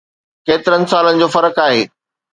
ڪيترن سالن جو فرق آهي.